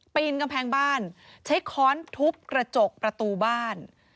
ปีนกำแพงบ้านใช้ค้อนทุบกระจกประตูบ้าน